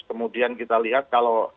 kemudian kita lihat kalau